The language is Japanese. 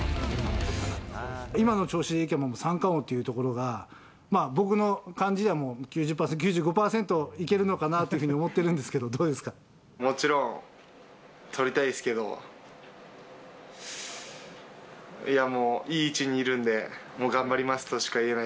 今の調子でいけば、三冠王というところが、僕の感じではもう９０％、９５％、いけるのかなというふうに思ってもちろん、取りたいですけど、いやもう、いい位置にいるんで、頑張ります